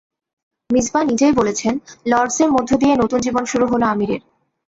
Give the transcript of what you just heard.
মিসবাহ নিজেই বলেছেন, লর্ডসের মধ্য দিয়ে নতুন জীবন শুরু হলো আমিরের।